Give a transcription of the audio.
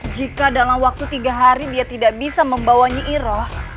jika dalam waktu tiga hari dia tidak bisa membawanya iroh